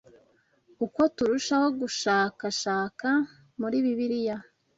Uko turushaho gushakashaka muri Bibiliya